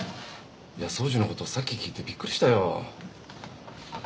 安おじのことさっき聞いてびっくりしたよ。